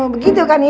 begitu kan ji